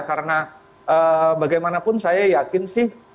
karena bagaimanapun saya yakin sih